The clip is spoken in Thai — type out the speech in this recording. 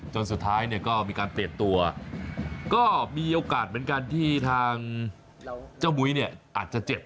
จนสุดท้ายเนี่ยก็มีการเปลี่ยนตัวก็มีโอกาสเหมือนกันที่ทางเจ้ามุ้ยเนี่ยอาจจะเจ็บ